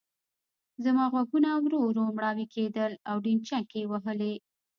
زما غوږونه ورو ورو مړاوي کېدل او ډينچکې وهلې.